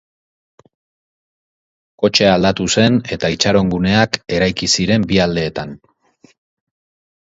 Kotxea aldatu zen eta itxaron guneak eraiki ziren bi aldeetan.